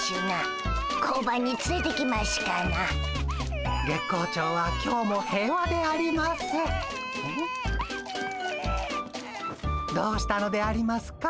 月光町は今日も平和であります。